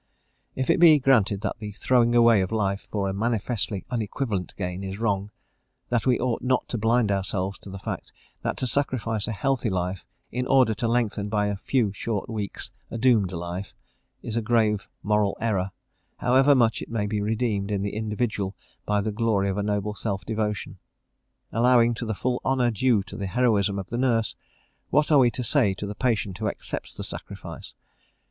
If it be granted that the throwing away of life for a manifestly unequivalent gain is wrong, that we ought not to blind ourselves to the fact, that to sacrifice a healthy life in order to lengthen by a few short weeks a doomed life, is a grave moral error, however much it may be redeemed in the individual by the glory of a noble self devotion. Allowing to the full the honour due to the heroism of the nurse, what are we to say to the patient who accepts the sacrifice?